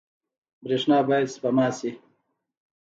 برښنا باید سپما شي